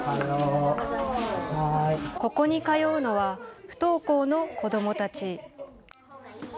ここに通うのは不登校の子どもたち。